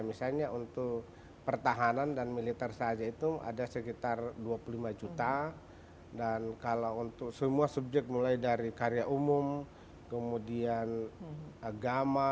misalnya untuk pertahanan dan militer saja itu ada sekitar dua puluh lima juta dan kalau untuk semua subjek mulai dari karya umum kemudian agama